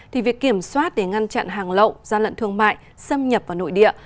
thì việc kiểm soát để ngăn chặn hàng lậu gian lận thương mại xâm nhập vào nội địa